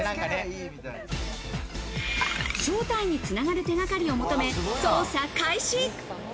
正体に繋がる手がかりを求め、捜査開始。